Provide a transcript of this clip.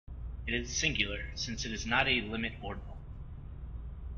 It is singular, since it is not a limit ordinal.